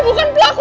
lo yang terlalu